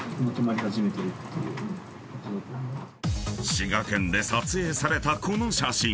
［滋賀県で撮影されたこの写真］